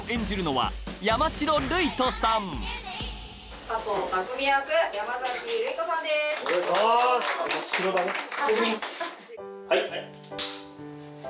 はい！